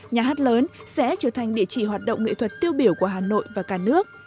nhà hát lớn sẽ trở thành địa chỉ hoạt động nghệ thuật tiêu biểu của hà nội và cả nước